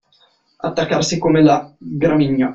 Attaccarsi come la gramigna.